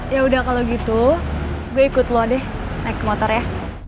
ya udah kalau gitu gue ikut lo deh naik motor ya